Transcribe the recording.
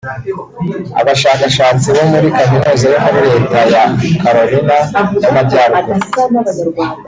Abashakashatsi bo muri Kaminuza yo muri Leta ya Carolina y’Amajyaruguru